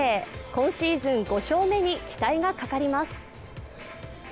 今シーズン５勝目に期待がかかります。